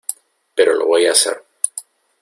pero lo voy a hacer.